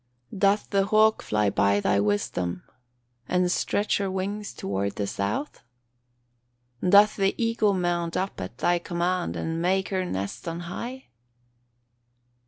[Verse: "Doth the hawk fly by thy wisdom, and stretch her wings toward the south? "Doth the eagle mount up at thy command, and make her nest on high?"